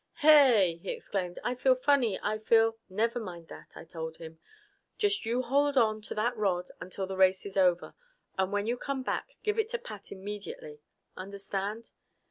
"H hey!" he exclaimed. "I feel funny. I feel " "Never mind that," I told him. "Just you hold on to that rod until the race is over. And when you come back, give it to Pat immediately. Understand?"